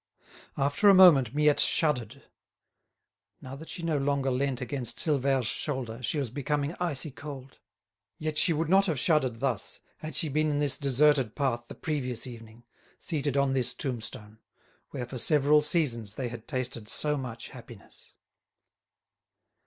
After a moment Miette shuddered. Now that she no longer leant against Silvère's shoulder she was becoming icy cold. Yet she would not have shuddered thus had she been in this deserted path the previous evening, seated on this tombstone, where for several seasons they had tasted so much happiness.